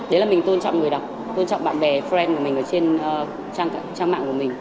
đấy là mình tôn trọng người đọc tôn trọng bạn bè frand của mình ở trên trang mạng của mình